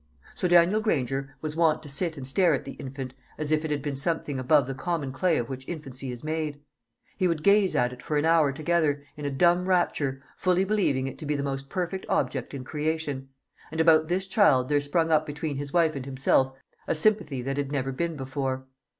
So Daniel Granger was wont to sit and stare at the infant as if it had been something above the common clay of which infancy is made. He would gaze at it for an hour together, in a dumb rapture, fully believing it to be the most perfect object in creation; and about this child there sprung up between his wife and himself a sympathy that had never been before.